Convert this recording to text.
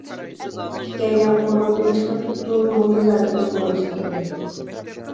ئىككىيلەن قورۇدىن چىقىپ، ئۇدۇل موللا زاكىرنىڭ قورۇسىغا كىردى.